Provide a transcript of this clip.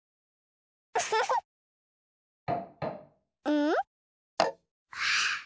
うん？